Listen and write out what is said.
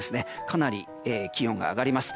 かなり気温が上がります。